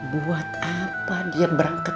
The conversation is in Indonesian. buat apa dia berangkat